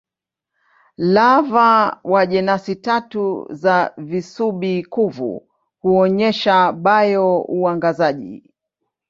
Lava wa jenasi tatu za visubi-kuvu huonyesha bio-uangazaji.